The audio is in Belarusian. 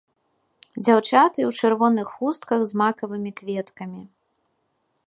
Дзяўчаты ў чырвоных хустках з макавымі кветкамі.